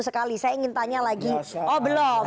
sekali saya ingin tanya lagi oh belum